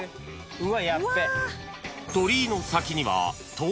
うわ！